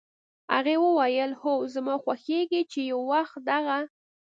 هغې وویل: "هو، زما خوښېږي چې یو وخت دغه